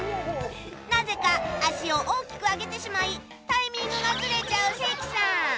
なぜか足を大きく上げてしまいタイミングがずれちゃう関さん